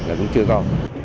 là cũng chưa có